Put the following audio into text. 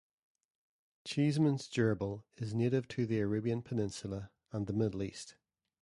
Cheesman's gerbil is native to the Arabian Peninsula and the Middle East.